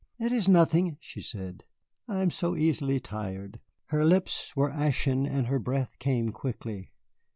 "It is nothing," she said; "I am so easily tired." Her lips were ashen, and her breath came quickly.